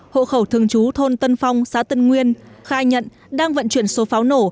hộ khẩu thường trú thôn tân phong xã tân nguyên khai nhận đang vận chuyển số pháo nổ